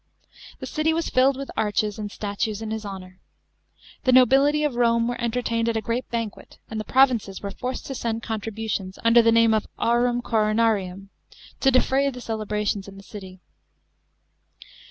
The city was filled with arches and statues in his honour. The nobility of Home were entertained at a great banquet, and the provinces were fore* d to send contribu tions, under the name of aurum wonarium, to defray the celebra tions in the city.